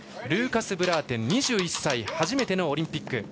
ルーカス・ブラーテン、２１歳初めてのオリンピック。